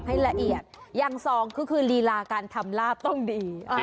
ให้ละเอียดอย่างสองก็คือลีลาการทำลาบต้องดี